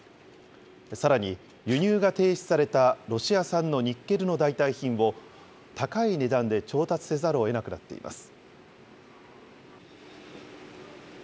さらに、輸入が停止されたロシア産のニッケルの代替品を、高い値段で調達せざるをえなくなっています。